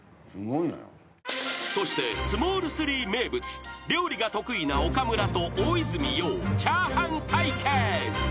［そして『スモール３！』名物料理が得意な岡村と大泉洋炒飯対決！］